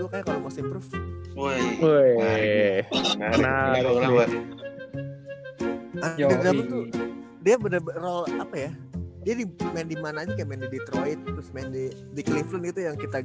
hai klip yaii anjing cenderanya udah